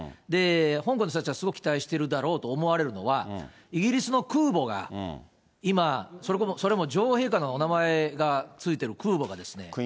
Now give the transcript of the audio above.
香港の人たちがすごい期待しているだろうと思われるのが、イギリスの空母が今、それも女王陛下のお名前がついている空母が。